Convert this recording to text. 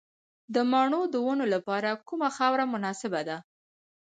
د مڼو د ونو لپاره کومه خاوره مناسبه ده؟